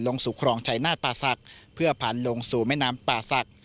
ลงสู่ครองชัยนาฏป่าศักดิ์เพื่อผ่านลงสู่แม่น้ำป่าศักดิ์